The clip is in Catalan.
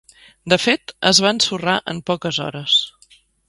De fet, es va ensorrar en poques hores.